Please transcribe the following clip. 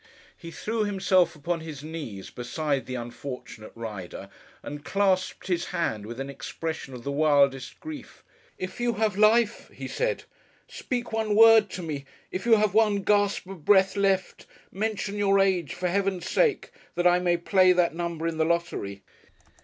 He threw himself upon his knees beside the unfortunate rider, and clasped his hand with an expression of the wildest grief. 'If you have life,' he said, 'speak one word to me! If you have one gasp of breath left, mention your age for Heaven's sake, that I may play that number in the lottery.